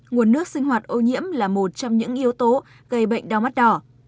nguồn nước sinh hoạt ô nhiễm là một trong những yếu tố gây bệnh đau mắt đỏ